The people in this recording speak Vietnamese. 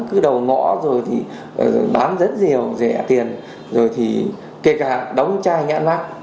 cứ đầu ngõ rồi thì bán rất nhiều rẻ tiền rồi thì kể cả đóng chai nhãn mát